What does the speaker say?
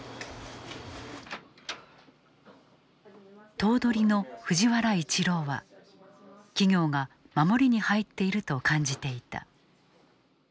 頭取の藤原一朗は企業が守りに入っていると感じていた。